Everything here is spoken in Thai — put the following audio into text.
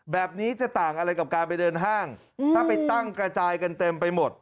แบบนี้จะต่างอะไรกับการไปเดินห้างถ้าไปตั้งกระจายกันเต็มไปหมด